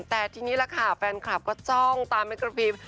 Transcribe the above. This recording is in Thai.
แต่ทีนี้ล่ะค่ะแฟนคลับก็จ้องตามเม็กกระพริม